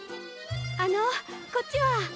あのこっちは？